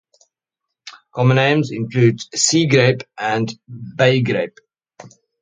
Common names include seagrape and baygrape.